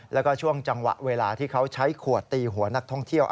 แล้วก็ช่วงจังหวะเวลาที่เขาใช้ขวดตีหัวนักท่องเที่ยว